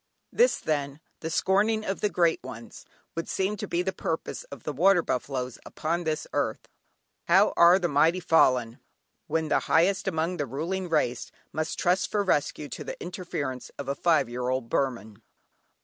This then, "the scorning of the great ones," would seem to be the purpose of the water buffalos upon this earth. "How are the mighty fallen"! when the highest among the ruling race must trust for rescue to the interference of a five year old Burman.